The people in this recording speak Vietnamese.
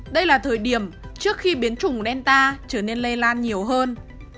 đây là thời điểm trước khi biến chủng delta trở nên lây lan nhiều hơn